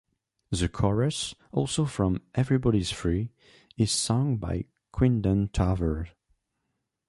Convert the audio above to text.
The chorus, also from "Everybody's Free", is sung by Quindon Tarver.